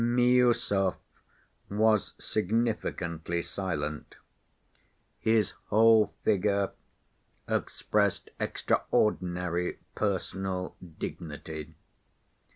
Miüsov was significantly silent. His whole figure expressed extraordinary personal dignity.